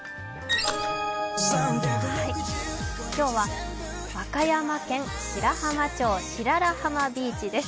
今日は和歌山県白浜町、白良浜ビーチです。